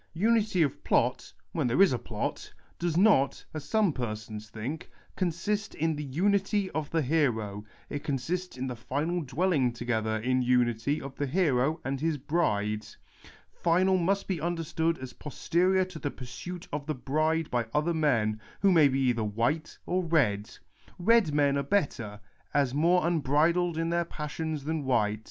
... Unity of plot — when there is a plot — docs not, as some persons think, consist in the unity of the hero. It consists in the final dwelling together in unity of the hero and his bride. Final must be understood as posterior to the pursuit of the bride by other men, who may be cither white or red. Red men are better, as more unbridled in their passions than white.